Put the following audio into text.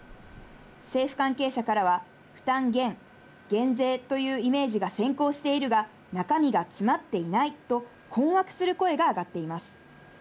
政府関係者からは負担減、減税というイメージが先行しているが、中身が詰まっていないと困惑する声が上がっています。